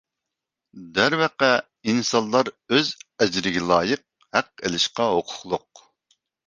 دەرۋەقە، ئىنسانلار ئۆز ئەجرىگە لايىق ھەق ئېلىشقا ھوقۇقلۇق.